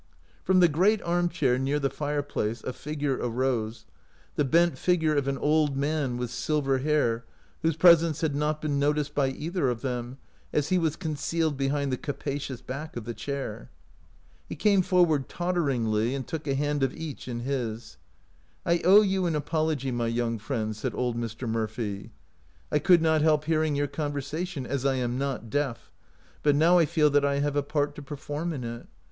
From the great arm chair near the fire place a figure arose — the bent figure of an old man with silver hair, whose presence had not been noticed by either of them, as he was concealed behind the capacious back of the chair.. He came forward totteringly, and took a hand of each in his. "I owe you an apology, my young friends," said old Mr. Murphy. " I could not help hearing your conversation, as I am not deaf, but now I feel that I have a part to perform in it.